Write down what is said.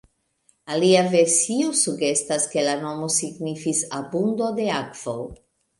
Alia versio sugestas ke la nomo signifis “abundo de akvo”.